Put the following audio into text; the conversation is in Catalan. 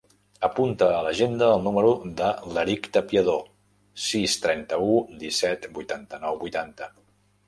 Apunta a l'agenda el número de l'Eric Tapiador: sis, trenta-u, disset, vuitanta-nou, vuitanta.